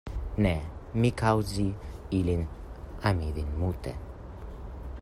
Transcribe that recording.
Ne, mi kaŭzi ili ami vi multe.